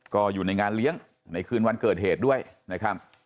ก็อยู่ในงานเลี้ยงในคืนวันเกิดเหตุด้วยนะครับ